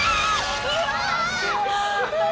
うわ！